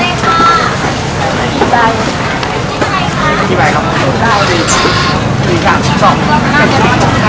อ่าจำเป็นไหมว่าสมมุติพยานคนนี้นั่งซื้อของอยู่จำเป็นไหมแม่ค้าหันหน้ามองใครน่าเห็นมากกว่ากัน